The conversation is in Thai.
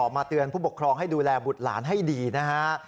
มาเตือนผู้ปกครองให้ดูแลบุตรหลานให้ดีนะฮะ